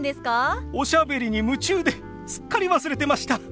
おしゃべりに夢中ですっかり忘れてました。